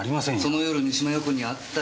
その夜三島陽子に会ったりは？